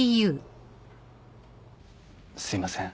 すいません。